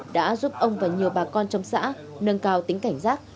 đã giúp ông và nhiều bà con trong xã nâng cao tính cảnh giác